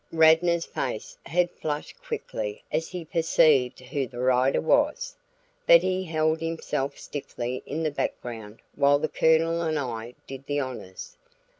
Radnor's face had flushed quickly as he perceived who the rider was, but he held himself stiffly in the background while the Colonel and I did the honors.